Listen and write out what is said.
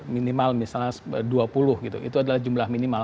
minimal misalnya dua puluh gitu itu adalah jumlah minimal